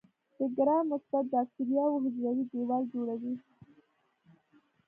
د ګرام مثبت باکتریاوو حجروي دیوال جوړوي.